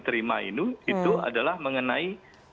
terima ini itu adalah mengenai